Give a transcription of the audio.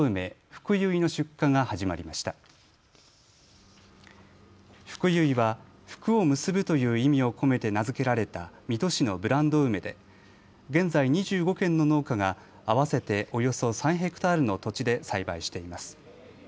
ふくゆいは福を結ぶという意味を込めて名付けられた水戸市のブランド梅で、現在２５軒の農家が合わせておよそ３ｈａの土地で栽培しています。